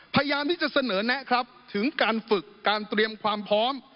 พยายามที่จะเสนอแนะครับถึงการฝึกการเตรียมความพร้อม